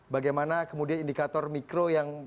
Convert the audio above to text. bagaimana kemudian indikator mikro yang